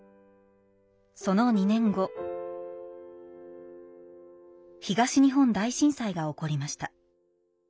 その２年後東日本大震災が起こりました。